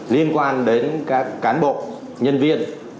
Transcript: liên quan đến các cán bộ nhân viên